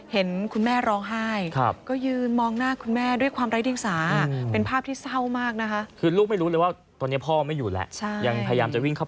เห็นคุณแม่ร้องไห้ก็ยืนมองหน้าคุณแม่ด้วยความร้ายเรียงสา